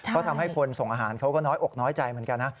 ก็ทำให้คนส่งอาหารเขาก็น้อยอกน้อยใจเหมือนกันนะ